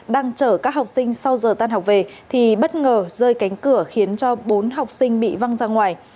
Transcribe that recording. đang chở các học sinh sau giờ tan học về thì bất ngờ rơi cánh cửa khiến cho bốn học sinh bị văng ra ngoài